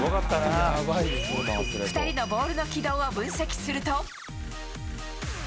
２人のボールの軌道を分析すると。